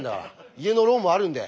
家のローンもあるんで。